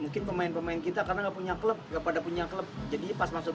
ketika menang kemudian menang